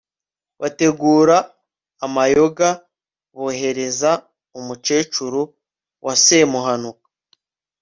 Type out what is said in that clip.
bategura amayoga, bohereza umukecuru wa semuhanuka